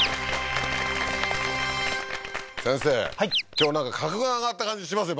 今日なんか格が上がった感じしますよ